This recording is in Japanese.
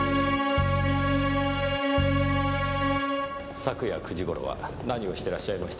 昨夜９時頃は何をしてらっしゃいました？